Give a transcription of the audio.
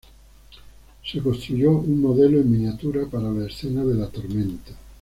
Se construyó un modelo en miniatura para la escena de la tormenta.